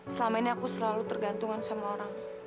selama ini aku selalu tergantungan sama orang